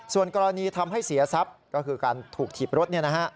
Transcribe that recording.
ส่วนกรณีทำให้เสียทรัพย์ก็คือการถูกถีบรถ